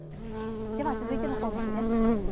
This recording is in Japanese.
では続いての項目です。